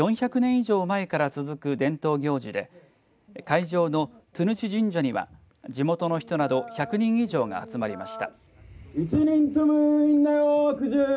以上前から続く伝統行事で会場の殿智神社には地元の人など１００人以上が集まりました。